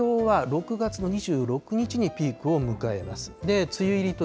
東京は６月の２６日にピークを迎えます。